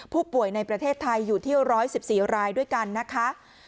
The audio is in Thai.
ผู้ป่วยในประเทศไทยอยู่ที่๑๑๔รายด้วยกันนะคะ